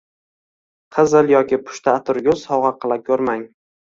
qizil yoki pushti atirgul sovg‘a qila ko‘rmang